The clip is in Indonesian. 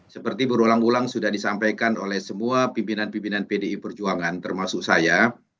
seperti berulang ulang sudah disampaikan oleh semua pimpinan pimpinan pdi perjuangan termasuk saya